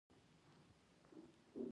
زه د تاریخي لیکونو کاپي اخلم.